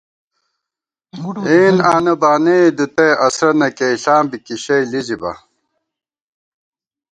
اېن آنہ بانَئےدُتَئی اَسرَہ نہ کېئیېݪاں بی کی شئ لِزِبا